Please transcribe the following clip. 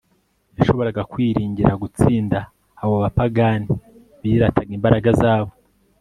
Yashoboraga kwiringira gutsinda abo bapagani birataga imbaraga zabo